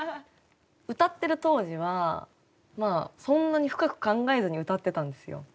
歌ってる当時はまあそんなに深く考えずに歌ってたんですよ。